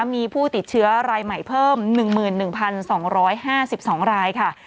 มีผู้ติดเชื้อรายใหม่เพิ่ม๑๑๒๕๒รายค่ะ